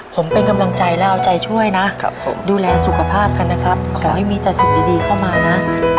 ผมเป็นกำลังใจและเอาใจช่วยนะดูแลสุขภาพกันนะครับขอให้มีแต่สิ่งดีเข้ามานะ